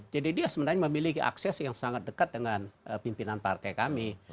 jadi dia sebenarnya memiliki akses yang sangat dekat dengan pimpinan partai kami